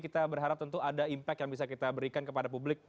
kita berharap tentu ada impact yang bisa kita berikan kepada publik